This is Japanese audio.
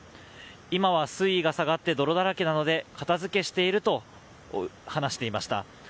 今は水位が下がって泥だらけなので片付けしていると話していました。